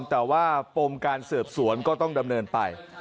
แต่ว่าปมการสืบสวนก็ต้องดำเนินไป